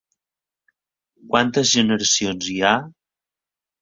Quantes generacions hi ha?